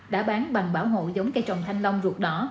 đã bán bằng bảo hộ giống cây trồng thanh long ruột đỏ